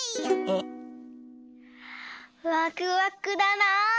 ・ワクワクだな。